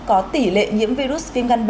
có tỉ lệ nhiễm virus viêm gan b